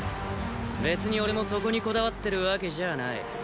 別に俺もそこにこだわってるわけじゃない。